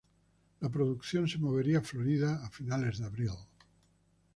La producción se movería a Florida a finales de abril.